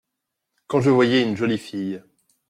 Quand je voyais une jolie fille !…